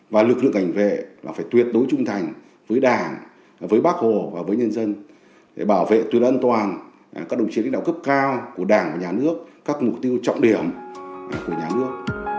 và lực lượng cảnh vệ là phải tuyệt đối trung thành với đảng với bác hồ và với nhân dân để bảo vệ tuyệt đối an toàn các đồng chí lãnh đạo cấp cao của đảng và nhà nước các mục tiêu trọng điểm của nhà nước